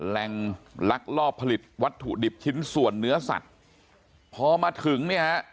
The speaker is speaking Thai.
ลักลอบผลิตวัตถุดิบชิ้นส่วนเนื้อสัตว์พอมาถึงเนี่ยฮะ